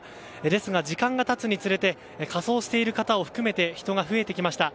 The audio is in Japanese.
ですが、時間が経つにつれて仮装している方を含めて人が増えてきました。